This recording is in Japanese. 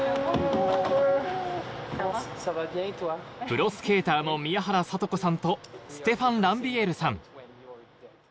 プロスケーターの宮原知子さんとステファン・ランビエールさん